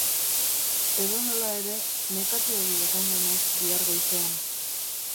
Edonola ere, nekatuegi egongo naiz bihar goizean.